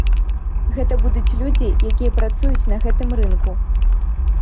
Гэта будуць людзі, якія працуюць на гэтым рынку.